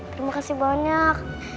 terima kasih banyak